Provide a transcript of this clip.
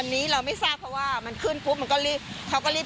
อันนี้เราไม่ทราบเพราะว่ามันขึ้นปุ๊บเขาก็รีบขึ้นไปเลยใช่ไหม